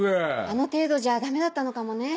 あの程度じゃダメだったのかもね。